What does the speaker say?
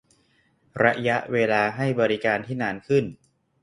- ระยะเวลาให้บริการที่นานขึ้น